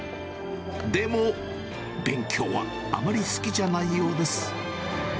でも、勉強はあまり好きじゃないようです。